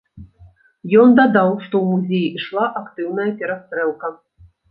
Ён дадаў, што ў музеі ішла актыўная перастрэлка.